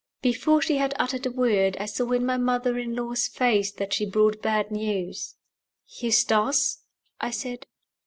BEFORE she had uttered a word, I saw in my mother in law's face that she brought bad news. "Eustace?" I said.